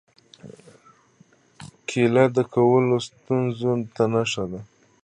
کېله د کولمو ستونزو ته ښه ده.